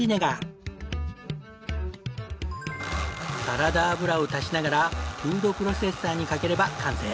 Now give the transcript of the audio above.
サラダ油を足しながらフードプロセッサーにかければ完成。